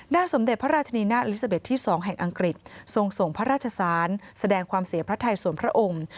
สมเด็จพระราชนีนาลิซาเบ็ดที่๒แห่งอังกฤษทรงส่งพระราชสารแสดงความเสียพระไทยส่วนพระองค์